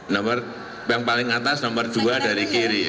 nomor yang paling atas nomor dua dari kiri